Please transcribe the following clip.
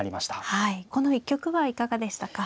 はいこの一局はいかがでしたか。